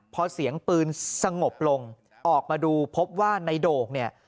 พอเสียงปืนสงบลงออกมาดูพบว่าในโด่งเนี่ย